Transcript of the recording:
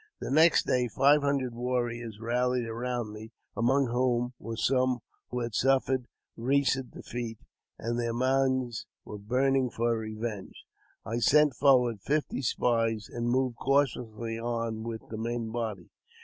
The next day five hundred warriors rallied round me, among whom were some who had suffered recent ;he 1 JAMES P. BECKWOUBTH. 149 defeat, and their minds were burning for revenge. I sent forward fifty spies, and moved cautiously on with the main body.